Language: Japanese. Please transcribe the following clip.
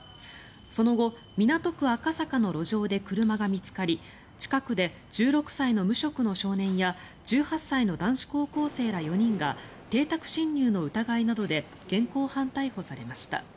その後、港区赤坂の路上で車が見つかり近くで１６歳の無職の少年や１８歳の男子高校生ら４人が邸宅侵入の疑いなどで現行犯逮捕されました。